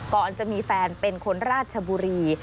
ก่อนจะมีแฟนเป็นคนราชบุรี